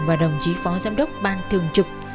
và đồng chí phó giám đốc ban thường trực